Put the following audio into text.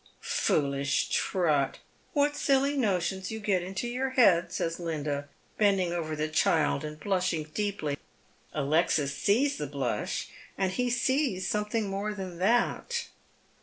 " Foohsh Trot. What silly notions you get into your head I " Bays Linda, bending over the child and blushing deeply. Alexis sees the blush, and he sees something more than that.